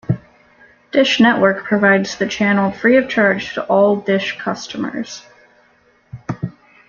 Dish Network provides the channel free of charge to all Dish customers.